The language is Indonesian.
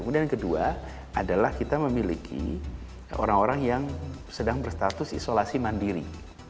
kemudian yang kedua adalah kita memiliki orang orang yang sedang berstatus isolasi mandiri